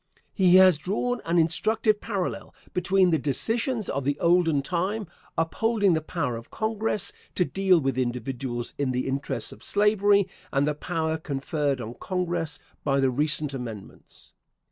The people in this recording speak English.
He has drawn an instructive parallel between the decisions of the olden time, upholding the power of Congress to deal with individuals in the interests of slavery, and the power conferred on Congress by the recent amendments.